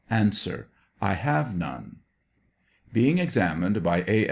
Answer. I have none. Being examined by A.